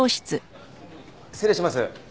失礼します。